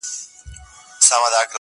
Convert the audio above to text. سوځوي چي زړه د وينو په اوبو کي~